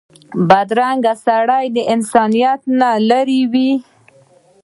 بدرنګه سړی د انسانیت نه لرې وي